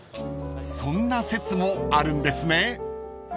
［そんな説もあるんですね］